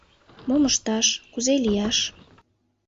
Мом ышташ, кузе лияш?